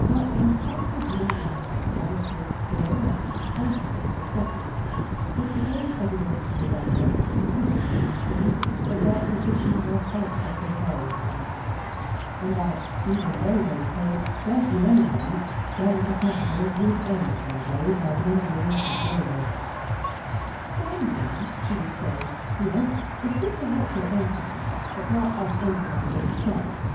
But, in spite of Rawdon's undoubted skill and constant successes, it became evident to Rebecca, considering these things, that their position was but a precarious one, and that, even although they paid scarcely anybody, their little capital would end one day by dwindling into zero. "Gambling," she would say, "dear, is good to help your income, but not as an income itself.